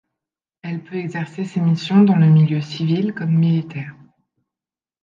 Elle peut exercer ses missions dans le milieu civil comme militaire.